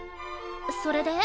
それで？